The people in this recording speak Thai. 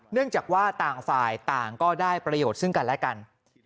เนื่องจากว่าต่างฝ่ายต่างก็ได้ประโยชน์ซึ่งกันและกัน